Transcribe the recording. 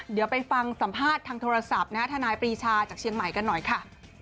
เดี๋ยวไปฟังสัมภาษณ์ทางโทรศัพท์นะฮะทนายปรีชาจากเชียงใหม่กันหน่อยค่ะ